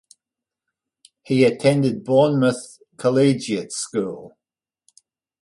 He attended Bournemouth Collegiate School.